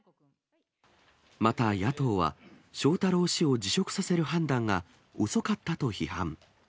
また、野党は翔太郎氏を辞職させる判断が遅かったと批判。